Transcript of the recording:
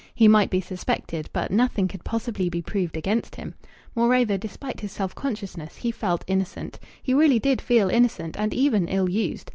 He might be suspected, but nothing could possibly be proved against him. Moreover, despite his self consciousness, he felt innocent; he really did feel innocent, and even ill used.